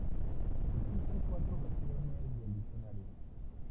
Existen cuatro versiones del diccionario.